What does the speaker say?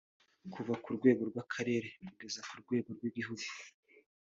kuva ku rwego rw’akarere kugera ku rwego rw’igihugu